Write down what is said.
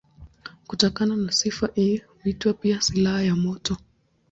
Kutokana na sifa hii huitwa pia silaha ya moto.